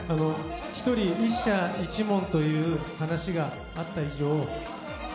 一人１社１問という話があった以上。